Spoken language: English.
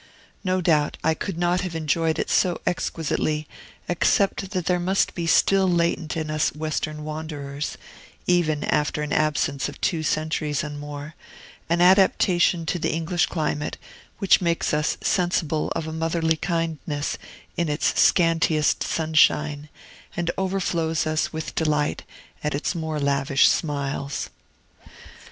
No doubt, I could not have enjoyed it so exquisitely, except that there must be still latent in us Western wanderers (even after an absence of two centuries and more), an adaptation to the English climate which makes us sensible of a motherly kindness in its scantiest sunshine, and overflows us with delight at its more lavish smiles.